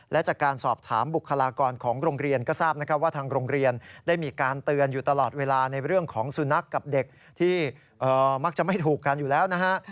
และจากการสอบถามบุคลากรของโรงเรียนก็ทราบนะครับว่าทางโรงเรียนได้มีการเตือนอยู่ตลอดเวลาในเรื่องของสุนัขกับเด็กที่มักจะไม่ถูกกันอยู่แล้วนะฮะ